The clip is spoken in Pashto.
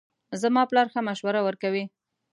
زما پلار ښه مشوره ورکوي